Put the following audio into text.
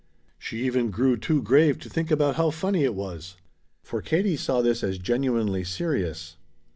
She even grew too grave to think about how funny it was. For Katie saw this as genuinely serious.